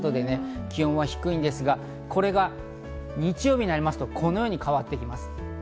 気温は低いんですが、これが日曜日になりますと、このように変わってきます。